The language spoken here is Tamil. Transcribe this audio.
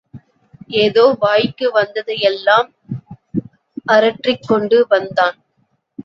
ஏதோ வாய்க்கு வந்ததையெல்லாம் அரற்றிக்கொண்டு வந்தான்.